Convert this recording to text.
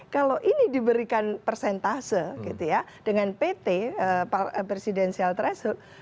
kalau ini diberikan persentase dengan pt presidential threshold